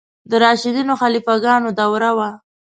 د راشدینو خلیفه ګانو دوره وه.